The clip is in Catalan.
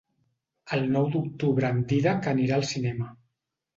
El nou d'octubre en Dídac anirà al cinema.